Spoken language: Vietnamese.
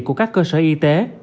của các cơ sở y tế